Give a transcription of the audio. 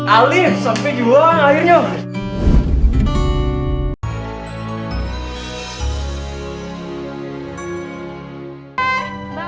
alif sampai juga lah ngalir nyuruh